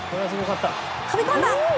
飛び込んだ！